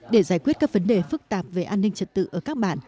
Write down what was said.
để giải quyết các vấn đề phức tạp về an ninh trật tự ở các bản